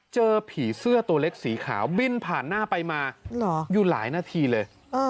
เจอผีเสื้อตัวเล็กสีขาวบินผ่านหน้าไปมาอยู่หลายนาทีเลย